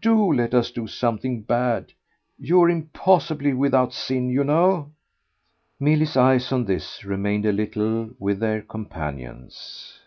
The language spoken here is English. DO let us do something bad. You're impossibly without sin, you know." Milly's eyes, on this, remained a little with their companion's.